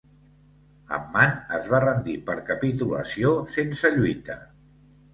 Amman es va rendir per capitulació sense lluita.